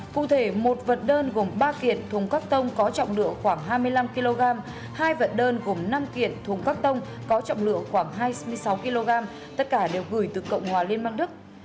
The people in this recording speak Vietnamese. cụ thể một vật đơn gồm ba kiệt thùng cắt tông có trọng lượng khoảng hai mươi năm kg hai vận đơn gồm năm kiện thùng các tông có trọng lượng khoảng hai mươi sáu kg tất cả đều gửi từ cộng hòa liên bang đức